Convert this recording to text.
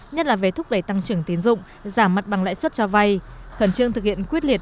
nhất là về thúc đẩy tăng trưởng tiến dụng giảm mặt bằng lãi suất cho vay khẩn trương thực hiện quyết liệt